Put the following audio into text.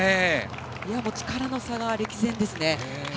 力の差が歴然ですね。